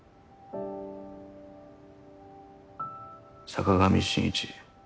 坂上真一。